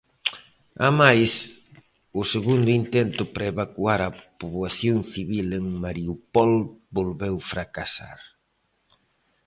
Amais, o segundo intento para evacuar á poboación civil en Mariúpol volveu fracasar.